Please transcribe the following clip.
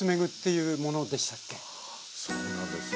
はそうなんですよ。